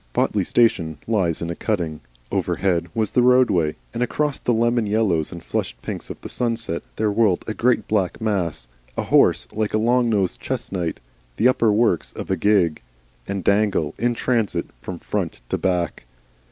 Botley station lies in a cutting, overhead was the roadway, and across the lemon yellows and flushed pinks of the sunset, there whirled a great black mass, a horse like a long nosed chess knight, the upper works of a gig, and Dangle in transit from front to back.